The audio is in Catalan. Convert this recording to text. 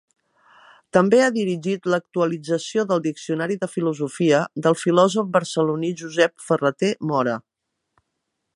També ha dirigit l'actualització del Diccionari de filosofia, del filòsof barceloní Josep Ferrater Mora.